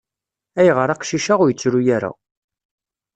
-Ayɣer aqcic-a ur yettru ara.